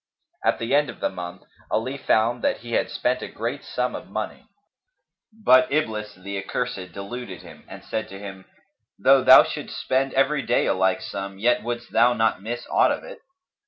At the end of the month, Ali found that he had spent a great sum of money; but Iblis the Accursed deluded him and said to him, "Though thou shouldst spend every day a like sum yet wouldst thou not miss aught of it."